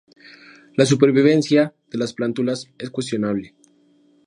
La supervivencia de las plántulas es cuestionable.